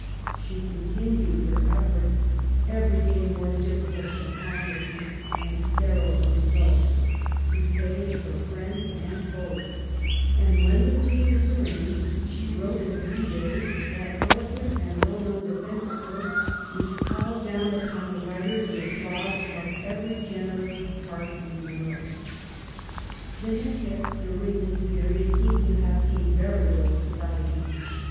She continued her efforts — every day more difficult of accomplishment and sterile of results — to save her friends and foes ; and when the Queen was arraigned, she wrote, in a few days, that eloquent and well known defence of her which called down upon the writer the applause of every generous heart in Europe. Digitized by VjOOQLC RETIRES TO COPPET. f$ The Neckers during this period seem to have seen very little society.